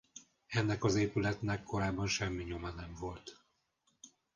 Ennek az épületnek korábban semmi nyoma nem volt.